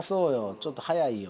ちょっと速いよ。